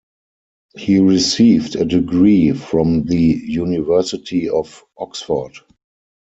He received a degree from the university of Oxford.